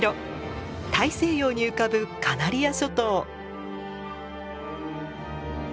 大西洋に浮かぶカナリア諸島。